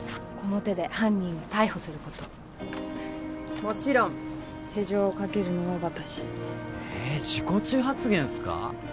この手で犯人を逮捕することもちろん手錠をかけるのは私えっ自己中発言っすか？